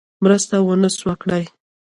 مرسته ونه سوه کړای.